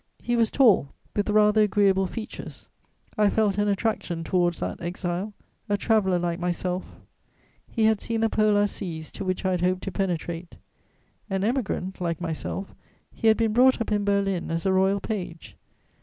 He was tall, with rather agreeable features. I felt an attraction towards that exile, a traveller like myself: he had seen the Polar seas to which I had hoped to penetrate. An Emigrant like myself, he had been brought up in Berlin as a royal page.